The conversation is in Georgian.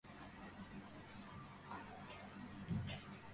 ლიმა ქვეყნის პოლიტიკური, ეკონომიკური და კულტურულ-საგანმანათლებლო ცენტრია.